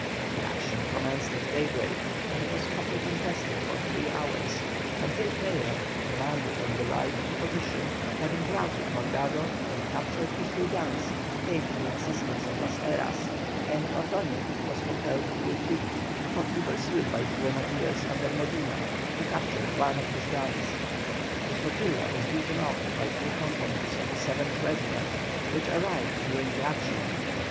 The action commenced at daybreak and was hotly contested for three hours, until Freyre, who commanded on the right of the position, having routed Morgado and captured his two guns, came to the assistance of Las Heras, and Ordoñez was compelled to retreat, hotly pursued by the grenadiers under Medina, who captured one of his guns. The flotilla was beaten off by two companies of the 7th Regiment, which arrived during the action.